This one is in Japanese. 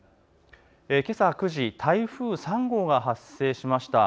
けさ９時、台風３号が発生しました。